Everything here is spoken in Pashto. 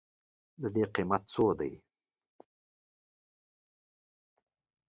د دې قیمت څو دی؟